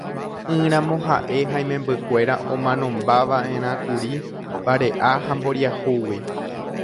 Ỹramo ha'e ha imembykuéra omanombamava'erãkuri vare'a ha mboriahúgui.